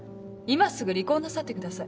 今すぐ離婚なさってください。